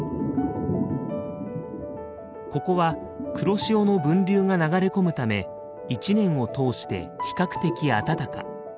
ここは黒潮の分流が流れ込むため一年を通して比較的暖か。